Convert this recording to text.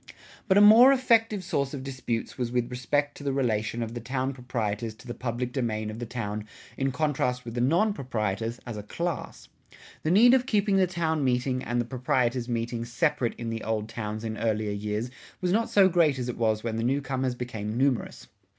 But a more effective source of disputes was with respect to the relation of the town proprietors to the public domain of the town in contrast with the non proprietors as a class. The need of keeping the town meeting and the proprietors' meeting separate in the old towns in earlier years was not so great as it was when the new comers became numerous.